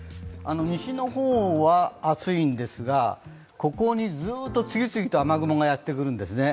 西の方は暑いんですが、ここにずっと次々と雨雲がやってくるんですね。